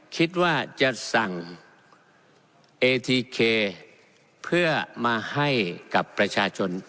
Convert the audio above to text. คิดว่าจะสั่งเอทีเคเพื่อมาให้กับประชาชน